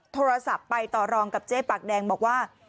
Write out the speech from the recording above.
โทรศัพท์ไปต่อรองกับเจ๊ปากแดงบอกว่า